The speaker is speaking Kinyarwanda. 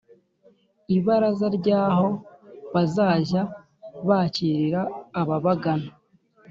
Ibaraza ry aho bazajya bakirira ababagana